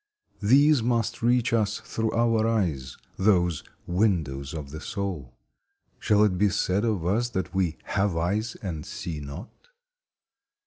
These must reach us through our eyes, those "windows of the soul." Shall it be said of us that we "have eyes and see not"?